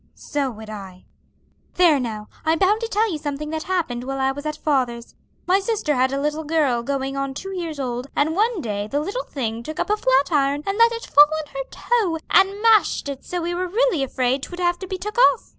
"So would I. There now, I'm bound to tell you something that happened while I was at father's. My sister had a little girl going on two years old, and one day the little thing took up a flat iron, and let it fall on her toe, and mashed it so we were really afraid 'twould have to be took off.